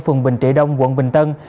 phường bình trị đông quận bình tân